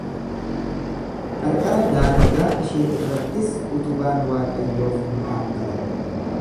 Qarqara daangaa ishee irrattis utubaan Waaqayyoof ni dhaabbata.